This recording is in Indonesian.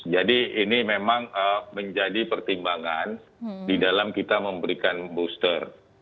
jadi ini memang menjadi pertimbangan di dalam kita memberikan booster